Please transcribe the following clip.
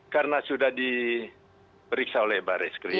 karena sudah diperiksa oleh baris krim